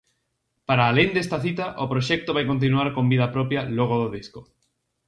Para alén desta cita, o proxecto vai continuar con vida propia logo do disco.